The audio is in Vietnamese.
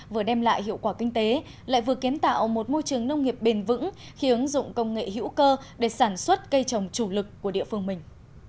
vừa đem lại hiệu quả kinh tế lại vừa kiến tạo một môi trường nông nghiệp bền vững khi ứng dụng công nghệ hữu cơ để sản xuất cây trồng chủ lực của địa phương mình